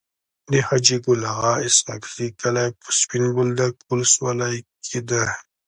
د حاجي ګل اغا اسحق زي کلی په سپين بولدک ولسوالی کي دی.